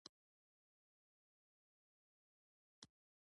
د مکې ختیځ لورته ووتو.